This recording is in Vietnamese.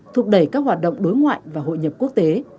thúc đẩy các hoạt động đối ngoại và hội nhập quốc tế